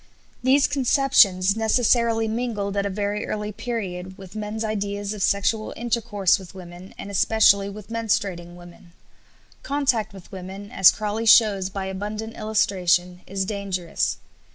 These conceptions necessarily mingled at a very early period with men's ideas of sexual intercourse with women and especially with menstruating women. Contact with women, as Crawley shows by abundant illustration, is dangerous.